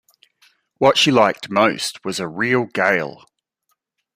What she liked most was a real gale.